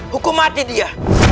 hukum mati dia